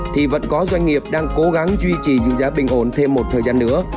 thì vẫn có doanh nghiệp đang cố gắng duy trì giữ giá bình ổn thêm một thời gian nữa